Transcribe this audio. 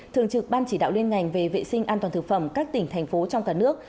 thường trực ban chỉ đạo liên ngành về vệ sinh an toàn thực phẩm các tỉnh thành phố trong cả nước